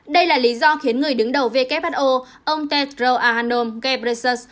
đây là lý do khiến người đứng đầu who ông tedros adhanom ghebreyesus